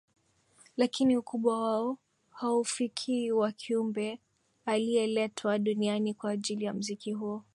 Lakini ukubwa wao hauufikii wa kiumbe alieletwa duniani kwa ajili ya mziki huo